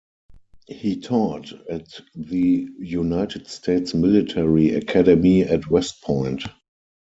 He taught at the United States Military Academy at West Point.